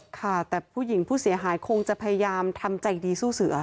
ค่ะแต่ผู้หญิงผู้เสียหายคงจะพยายามทำใจดีสู้เสือ